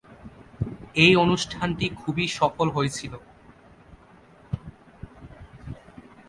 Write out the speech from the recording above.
এই অনুষ্ঠানটি খুবই সফল হয়েছিল।